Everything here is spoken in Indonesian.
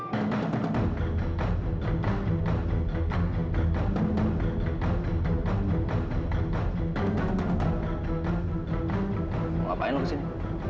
mau ngapain lu disini